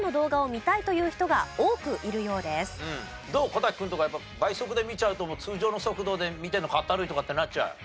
小瀧君とかやっぱ倍速で見ちゃうと通常の速度で見てるのかったるいとかってなっちゃう？